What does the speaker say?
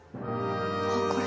あっこれ？